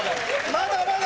まだまだ？